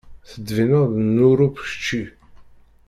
Tettbineḍ-d n Luṛup kečči.